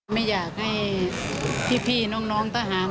ไม่อยากให้พี่น้องทหาร